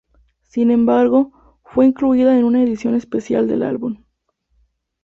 Sin embargo, fue incluida en una edición especial del álbum.